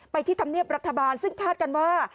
ไปที่ทำเงียบรัฐบาลซึ่งคาดกันว่า